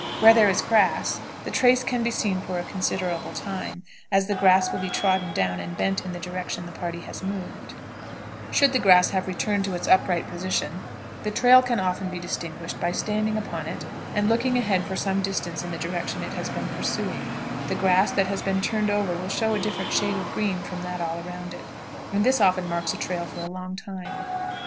Where there is grass, the trace can be seen for a considerable time, as the grass will be trodden down and bent in the direction the party has moved; should the grass have returned to its upright position, the trail can often be distinguished by standing upon it and looking ahead for some distance in the direction it has been pursuing; the grass that has been turned over will show a different shade of green from that around it, and this often marks a trail for a long time.